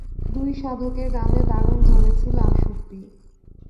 দুই সাধকের গানে দারুণ জমেছিল আসরটি।